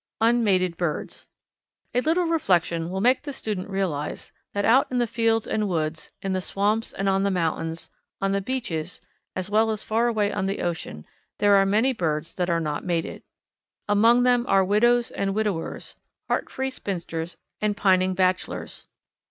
Unmated Birds. A little reflection will make the student realize the fact that out in the fields and woods, in the swamps and on the mountains, on the beaches, as well as far away on the ocean, there are many birds that are not mated. Among them are widows and widowers, heartfree spinsters and pining bachelors.